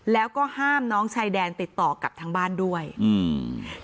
แล้วก็ห้ามน้องชายแดนติดต่อกับทางบ้านด้วยอืม